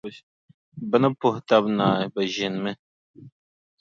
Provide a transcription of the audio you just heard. Bɛ ni puhi taba naai, bɛ ʒinimi.